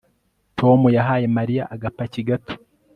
Tom yahaye Mariya agapaki gato